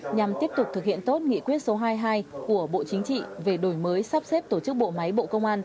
nhằm tiếp tục thực hiện tốt nghị quyết số hai mươi hai của bộ chính trị về đổi mới sắp xếp tổ chức bộ máy bộ công an